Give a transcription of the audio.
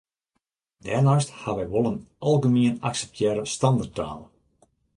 Dêrneist ha wy wol in algemien akseptearre standerttaal.